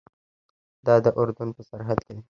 دا د اردن په سرحد کې دی.